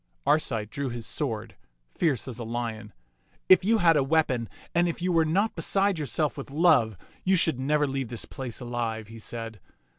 Arcite drew his sword, fierce as a lion. If you had a weapon and if you were not beside yourself with love, you should never leave this place alive," he said.